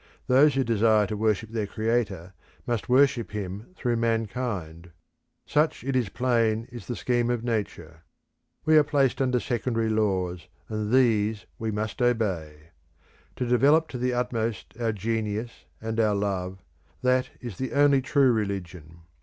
Those who desire to worship their Creator must worship him through mankind. Such it is plain is the scheme of Nature. We are placed under secondary laws, and these we must obey. To develop to the utmost our genius and our love, that is the only true religion.